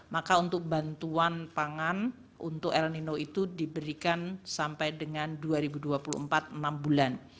maka untuk bantuan pangan untuk el nino itu diberikan sampai dengan dua ribu dua puluh empat enam bulan